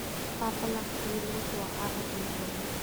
Papalak cu lungkua ah an um tawn.